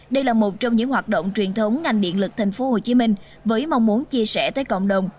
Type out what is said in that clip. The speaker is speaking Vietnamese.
đây là một trong những hoạt động truyền thống ngành điện lực tp hcm với mong muốn chia sẻ tới cộng đồng